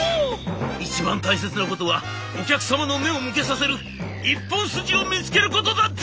「一番大切なことはお客様の目を向けさせる一本筋を見つけることだＺ！」。